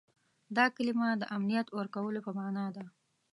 دا کلمه د امنیت ورکولو په معنا ده.